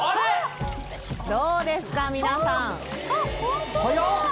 どうですか皆さん早っ！